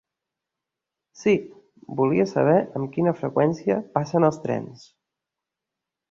Sí, volia saber amb quina freqüència passen els trens.